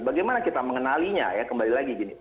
bagaimana kita mengenalinya ya kembali lagi gini